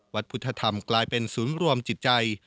วัดพุทธธรรมกลายเป็นศูนย์รวมจิตใจ